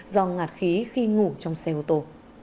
do ngạt khí khi ngủ trong xe ô tô